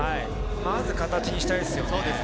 まず形にしたいですよね。